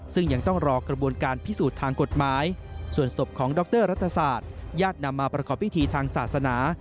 ซึ่งยังต้องรอกระบวนการพิสูจน์ทางกฎหมายส่วนศพของดรรัฐศาสตร์ญาตินำมาประกอบพิธีทางศาสนา